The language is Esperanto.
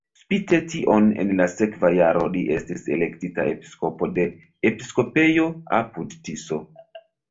Spite tion en la sekva jaro li estis elektita episkopo de episkopejo apud-Tiso.